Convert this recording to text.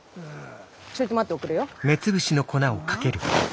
ちょいと待っておくれよ。